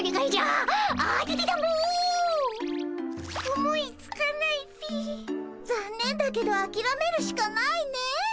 思いつかないっピ。ざんねんだけどあきらめるしかないね。